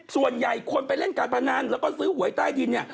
ส่วนใหญ่คนไปเล่นการพนันแล้วก็ซื้อหวยใต้ดินเนี่ย